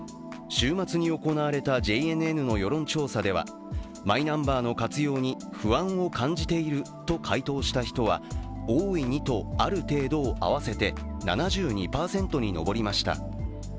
週末に行われたＪＮＮの世論調査ではマイナンバーの活用に不安を感じていると回答した人は大いにと、ある程度を合わせて７２％に上りました。